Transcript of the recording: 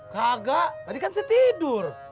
kagak tadi kan saya tidur